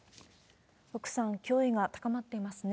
福さん、脅威が高まっていますね。